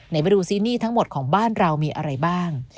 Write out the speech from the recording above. ไปดูซิหนี้ทั้งหมดของบ้านเรามีอะไรบ้าง